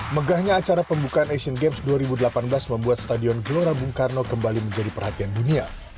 megahnya acara pembukaan asian games dua ribu delapan belas membuat stadion glora bung karno kembali menjadi perhatian dunia